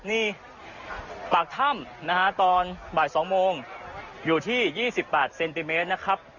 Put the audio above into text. นี่ปากถ้ำนะฮะตอนบ่าย๒โมงอยู่ที่๒๘เซนติเมตรนะครับ